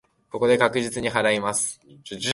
ここで確実に祓います。